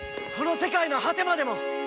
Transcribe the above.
この世界の果てまでも！